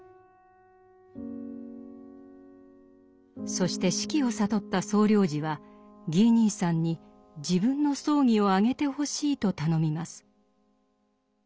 そして死期を悟った総領事はギー兄さんに自分の葬儀を挙げてほしいと頼みます。